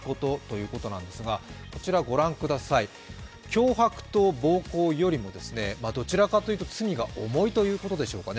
脅迫と暴行よりも、どちらかというと罪が重いということでしょうか。